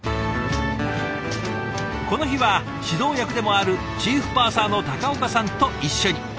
この日は指導役でもあるチーフパーサーの岡さんと一緒に。